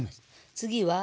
次は。